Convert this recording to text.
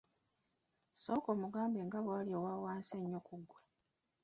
Sooka omugambe nga bwali owa wansi ennyo ku ggwe.